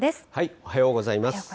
おはようございます。